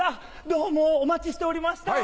どうもお待ちしておりました